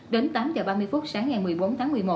đến tám h ba mươi phút sáng ngày một mươi bốn tháng một mươi một